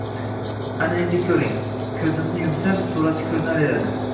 Аna endi koʼring. Koʼzimni yumsam, surati koʼrinaveradi